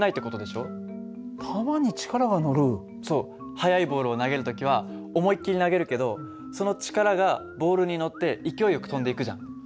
速いボールを投げる時は思いっきり投げるけどその力がボールに乗って勢いよく飛んでいくじゃん。